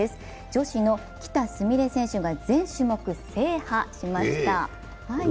女子の喜田純鈴選手が全種目制覇しました。